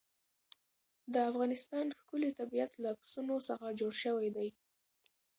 د افغانستان ښکلی طبیعت له پسونو څخه جوړ شوی دی.